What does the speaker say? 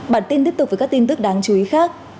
bản tin tiếp tục với các tin tức đáng chú ý khác